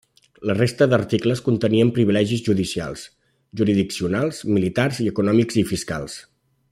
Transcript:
La resta d'articles contenien Privilegis judicials, jurisdiccionals, militars i econòmics i fiscals.